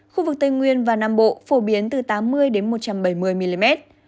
khu vực tây nguyên và nam bộ phổ biến từ tám mươi một trăm bảy mươi mm